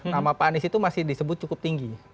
nama pak anies itu masih disebut cukup tinggi